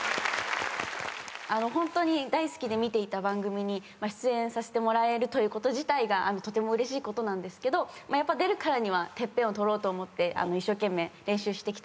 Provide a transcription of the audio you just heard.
ホントに大好きで見ていた番組に出演させてもらえるということ自体がとてもうれしいことなんですけどやっぱ出るからにはＴＥＰＰＥＮを取ろうと思って一生懸命練習してきたので。